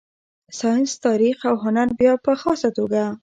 ساینس، تاریخ او هنر بیا په خاصه توګه.